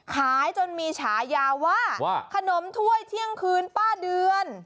ขายจนมีฉายาว่าขนมถ้วยเที่ยงคืนป้าเดือน